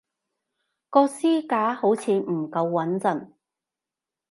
個書架好似唔夠穏陣